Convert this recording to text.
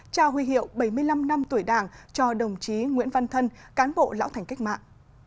trao huy hiệu bảy mươi năm năm tuổi đảng cho đồng chí nguyễn văn thân cán bộ lão thành cách mạng